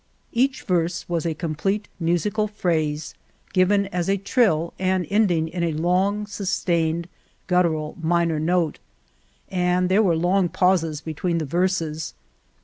Each verse was a complete musical phrase, given as a trill and ending in a long sustained guttural minor note, and there were long pauses be tween the verses.